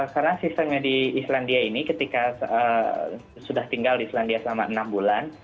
karena sistemnya di islandia ini ketika sudah tinggal di islandia selama enam bulan